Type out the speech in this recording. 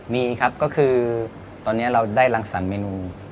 มีครับก็คือตอนนี้เราได้รังสรรคเมนู